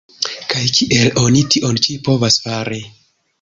Kaj kiel oni tion ĉi povas fari?